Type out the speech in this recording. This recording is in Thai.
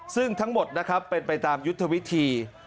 ซึ่งทั้งหมดนะครับเป็นไปตามยุทธวิธี